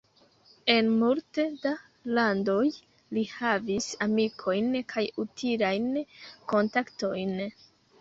En multe da landoj li havis amikojn kaj utilajn kontaktojn.